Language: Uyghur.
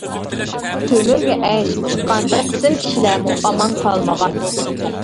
تۆمۈرگە ئەگىشىپ چىققان بىر قىسىم كىشىلەرمۇ ئامان قالمىغان.